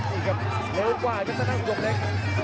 อีกครับเร็วกว่าก็จะนั่งยกเล็ก